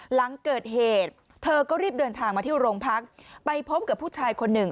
หลังเกิดเหตุเธอก็รีบเดินทางมาที่โรงพักไปพบกับผู้ชายคนหนึ่ง